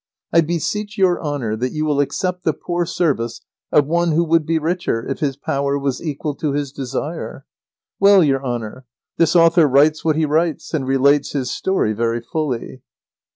I beseech your Honour that you will accept the poor service of one who would be richer if his power was equal to his desire. Well, your Honour! This author writes what he writes, and relates his story very fully.